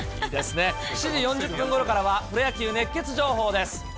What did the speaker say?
７時４０分ごろからは、プロ野球熱ケツ情報です。